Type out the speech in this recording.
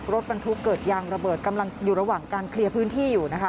รถบรรทุกเกิดยางระเบิดกำลังอยู่ระหว่างการเคลียร์พื้นที่อยู่นะคะ